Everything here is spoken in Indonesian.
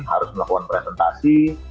harus melakukan presentasi